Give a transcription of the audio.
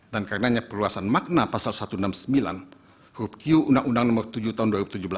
dan karenanya perluasan makna pasal satu ratus enam puluh sembilan huruf q undang undang no tujuh tahun dua ribu tujuh belas